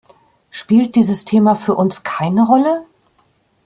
Spielt dieses Thema für uns keine Rolle?